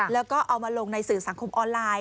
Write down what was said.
แล้วก็เอามาลงในสื่อสังคมออนไลน์